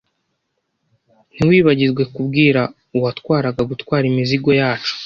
Ntiwibagirwe kubwira uwatwaraga gutwara imizigo yacu.